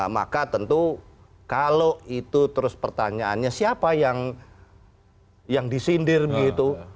maka tentu kalau itu terus pertanyaannya siapa yang disindir begitu